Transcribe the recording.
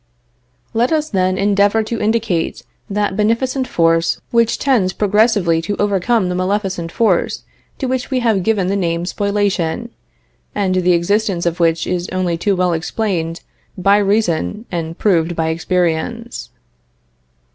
Let us, then, endeavor to indicate that beneficent force which tends progressively to overcome the maleficent force to which we have given the name spoliation, and the existence of which is only too well explained by reason and proved by experience.